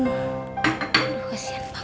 kasian banget ini anak